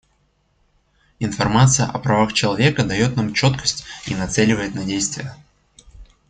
Информация о правах человека дает нам четкость и нацеливает на действия.